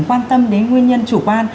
quan tâm đến nguyên nhân chủ quan